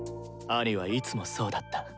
兄はいつもそうだった。